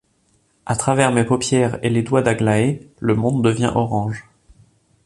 À travers mes paupières et les doigts d’Aglaé, le monde devient orange.